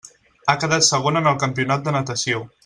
Ha quedat segona en el campionat de natació.